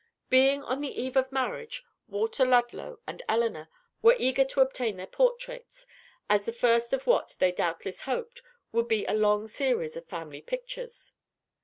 Being on the eve of marriage, Walter Ludlow and Elinor were eager to obtain their portraits, as the first of what, they doubtless hoped, would be a long series of family pictures.